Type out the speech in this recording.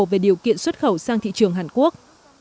về điều kiện xuất khẩu sang thị trường hàn quốc